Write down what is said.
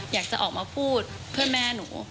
อยากจะออกมาพูดเพื่อแม่หนู